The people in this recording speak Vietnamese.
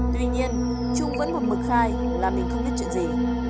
tuy nhiên chung vẫn một mực khai làm mình không biết chuyện gì